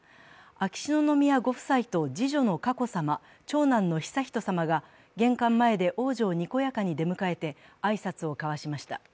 秋篠宮ご夫妻と次女の佳子さま、長男の悠仁さまが、玄関前で王女をにこやかに出迎えて挨拶を交わしました。